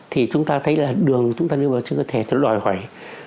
thì chúng ta thấy là đường chúng ta đưa vào trên cơ thể nó loài hoài